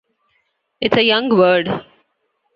It's a young word.